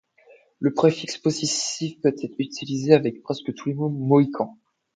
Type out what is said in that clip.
Le préfixe possessif peut être utilisé avec presque tous les mots mohicans.